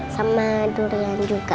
sama durian juga